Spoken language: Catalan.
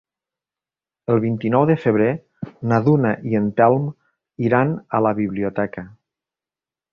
El vint-i-nou de febrer na Duna i en Telm iran a la biblioteca.